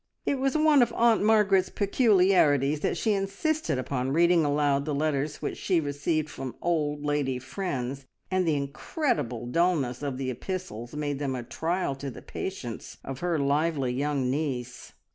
It was one of Aunt Margaret's peculiarities that she insisted upon reading aloud the letters which she received from old lady friends, and the incredible dulness of the epistles made them a trial to the patience of her lively young niece.